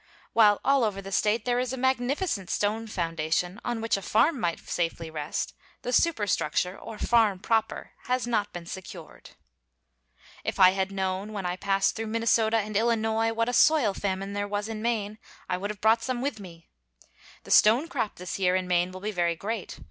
While all over the State there is a magnificent stone foundation on which a farm might safely rest, the superstructure, or farm proper, has not been secured. If I had known when I passed through Minnesota and Illinois what a soil famine there was in Maine, I would have brought some with me. The stone crop this year in Maine will be very great.